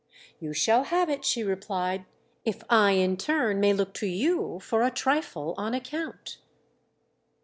"You shall have it," she replied, "if I in turn may look to you for a trifle on account."